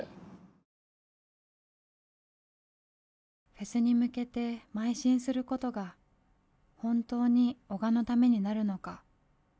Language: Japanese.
フェスに向けてまい進することが本当に男鹿のためになるのか。